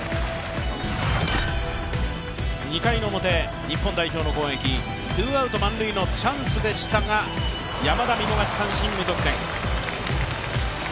２回表、日本代表の攻撃、ツーアウト満塁のチャンスでしたが、山田、見逃し三振、無得点。